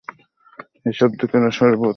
ওই শব্দকরা শরবত।